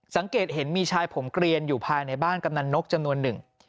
สังเกตเห็นมีชายผมเกลียนอยู่ภายในบ้านกำนันนกจำนวนหนึ่ง